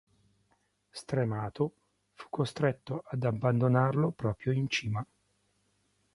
Stremato, fu costretto ad abbandonarlo proprio in cima.